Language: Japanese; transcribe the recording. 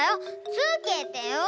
つけてよ！